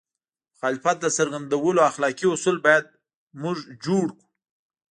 د مخالفت د څرګندولو اخلاقي اصول باید موږ جوړ کړو.